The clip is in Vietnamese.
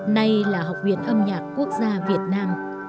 nay là học viện âm nhạc quốc gia việt nam